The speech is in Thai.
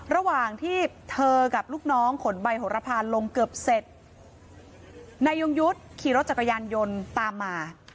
ระหว่างที่เธอกับลูกน้องขนใบโหระพานลงเกือบเสร็จนายยงยุทธ์ขี่รถจักรยานยนต์ตามมา